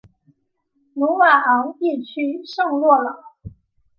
鲁瓦昂地区圣洛朗。